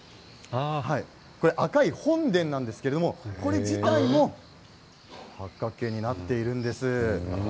赤い本殿なんですけれどもこれ自体も八角形になっているんです。